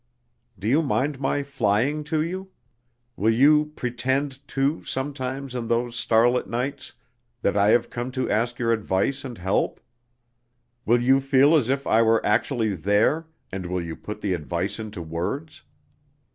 Do you mind my flying to you? Will you 'pretend' too, sometimes in those starlit nights, that I have come to ask your advice and help? Will you feel as if I were actually there, and will you put the advice into words?